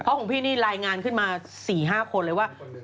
เพราะของพี่นี่รายงานขึ้นมา๔๕คนเลยว่า